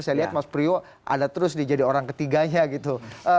saya lihat mas priyo ada terus nih jadi orang ketiganya gitu